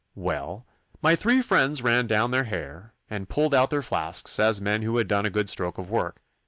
'Well, my three friends ran down their hare, and pulled out their flasks, as men who had done a good stroke of work.